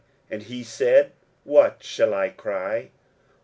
And he said, What shall I cry?